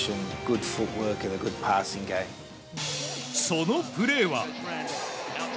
そのプレーは。